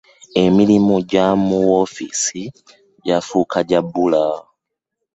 Emirimu gya mu woofiisi gyafuuka gya bbula.